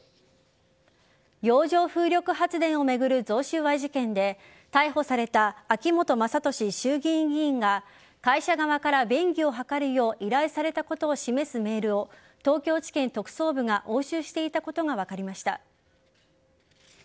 洋上風力発電を巡る贈収賄事件で逮捕された秋本真利衆議院議員が会社側から便宜を図るよう依頼されたことを示すメールを東京地検特捜部が押収していたことが分かりました。